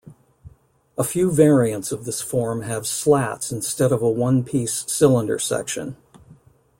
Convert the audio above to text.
A few variants of this form have slats instead of a one-piece cylinder section.